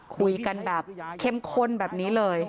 คุยกันแบบเข้มข้นแบบนี้เลย